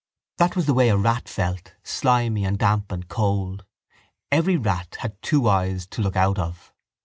That was the way a rat felt, slimy and damp and cold. Every rat had two eyes to look out of.